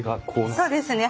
そうですね。